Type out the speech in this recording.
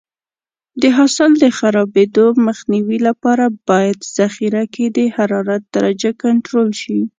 د حاصل د خرابېدو مخنیوي لپاره باید ذخیره کې د حرارت درجه کنټرول شي.